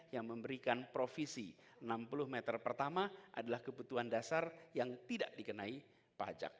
yang memberikan provisi enam puluh meter pertama adalah kebutuhan dasar yang tidak dikenai pajak